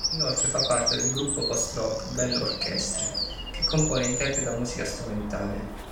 Inoltre fa parte del gruppo post-rock Bell Orchestre, che compone e interpreta musica strumentale.